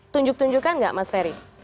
tunjuk tunjukkan nggak mas ferry